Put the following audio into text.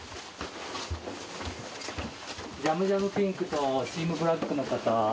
ジャムジャムピンクとチームブラックの方。